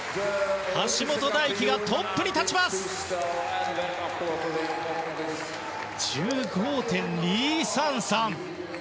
橋本大輝がトップに立ちます！１５．２３３！